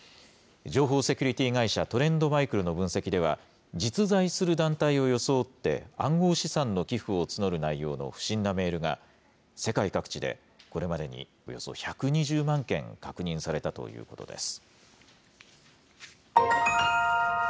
情報セキュリティー会社、トレンドマイクロの分析では、実在する団体を装って、暗号資産の寄付を募る内容の不審なメールが、世界各地でこれまでにおよそ１２０万件確認されたということです。